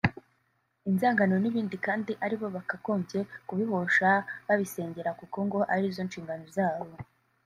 inzangano n’ibindi kandi ari bo bakagombye kubihosha babisengera kuko ngo ari zo nshingano zabo